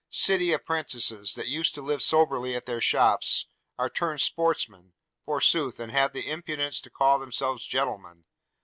– City apprentices, that used to live soberly at their shops, are turned sportsmen, forsooth, and have the impudence to call themselves gentlemen.